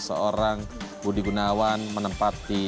seorang budi gunawan menempati